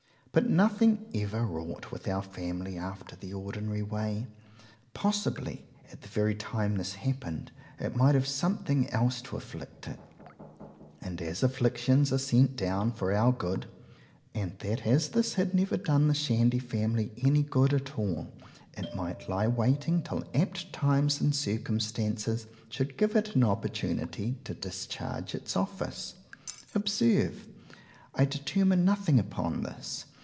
—But nothing ever wrought with our family after the ordinary way. Possibly at the very time this happened, it might have something else to afflict it; and as afflictions are sent down for our good, and that as this had never done the SHANDY FAMILY any good at all, it might lie waiting till apt times and circumstances should give it an opportunity to discharge its office.——Observe, I determine nothing upon this.